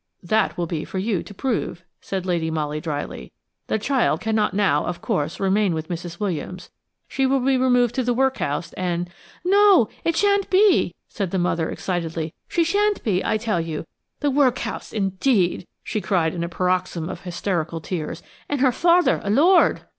"That will be for you to prove," said Lady Molly dryly. "The child cannot now, of course remain with Mrs. Williams; she will be removed to the workhouse, and–" "No, that shan't be," said the mother excitedly. "She shan't be, I tell you. The workhouse, indeed," she added in a paroxysm of hysterical tears, "and her father a lord!"